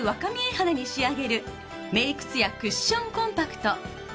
肌に仕上げるメイク艶クッションコンパクト。